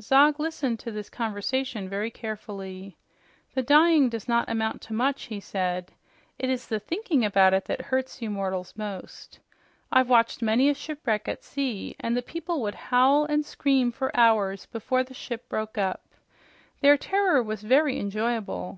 Zog listened to this conversation very carefully. "The dying does not amount to much," he said. "It is the thinking about it that hurts you mortals most. I've watched many a shipwreck at sea, and the people would howl and scream for hours before the ship broke up. Their terror was very enjoyable.